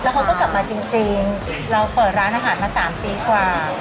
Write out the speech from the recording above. เขาก็กลับมาจริงเราเปิดร้านอาหารมา๓ปีกว่า